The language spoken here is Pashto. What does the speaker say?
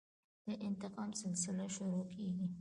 د انتقام سلسله شروع کېږي.